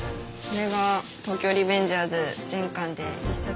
これが「東京卍リベンジャーズ」全巻で。